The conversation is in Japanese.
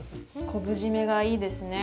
昆布締めがいいですね。